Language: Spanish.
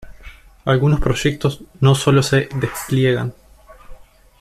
Algunos proyectos no solo se despliegan